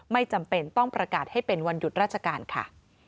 ไม่จำเป็นต้องประกาศให้เป็นวันหยุดราชการค่ะ